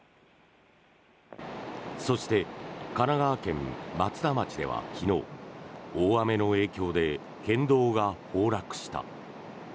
そして、神奈川県松田町では昨日大雨の影響で県道が崩落した。